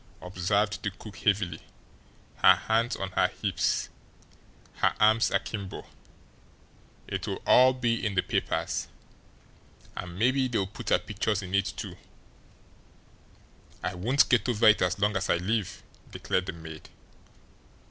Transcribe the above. observed the cook heavily, her hands on her hips, her arms akimbo. "It'll all be in the papers, and mabbe they'll put our pictures in, too." "I won't get over it as long as I live!" declared the maid.